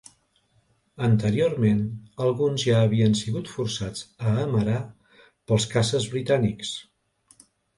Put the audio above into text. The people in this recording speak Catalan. Anteriorment alguns ja havien sigut forçats a amerar pels caces britànics.